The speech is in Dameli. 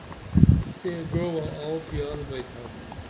سے گوعہ آوو پیال بیئتھا